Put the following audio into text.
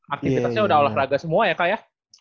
aktivitasnya udah olahraga semua ya kak ya